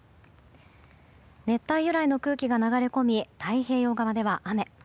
熱帯由来の空気が流れ込み太平洋側では雨。